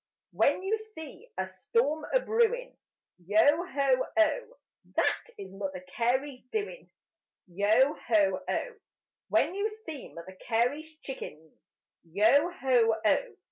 When you see a storm a brewin', Yo ho oh! That is Mother Carey's doin': Yo ho oh! When you see Mother Carey's chickens, Yo ho oh!